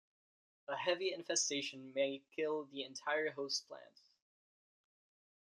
A heavy infestation may kill the entire host plant.